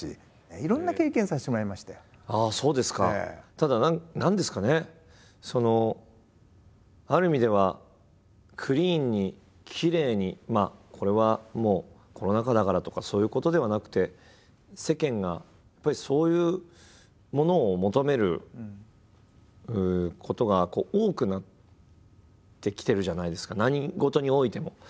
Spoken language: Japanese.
ただ何ですかねある意味ではクリーンにきれいにこれはもうコロナ禍だからとかそういうことではなくて世間がやっぱりそういうものを求めることが多くなってきてるじゃないですか何事においても。